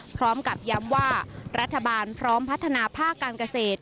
พร้อมกับย้ำว่ารัฐบาลพร้อมพัฒนาภาคการเกษตร